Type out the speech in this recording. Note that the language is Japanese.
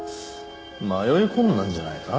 迷い込んだんじゃないか？